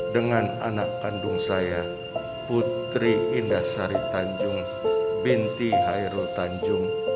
dengan anak kandung saya putri indah sari tanjung benti hairul tanjung